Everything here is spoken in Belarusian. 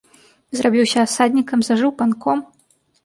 Зрабіўся асаднікам, зажыў панком.